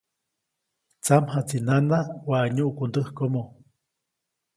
Tsamjaʼtsi nana waʼa nyuʼku ndäkomoʼ.